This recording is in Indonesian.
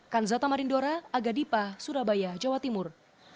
kanzata marindora agadipa surabaya jawa timur